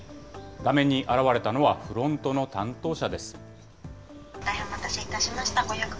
画面に現れたのはフロントの担当者です。